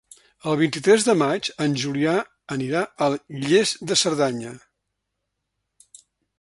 El vint-i-tres de maig en Julià anirà a Lles de Cerdanya.